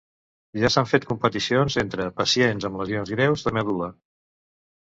Ja s'han fet competicions entre pacients amb lesions greus de medul·la.